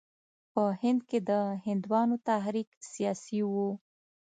په هند کې د هندوانو تحریک سیاسي وو.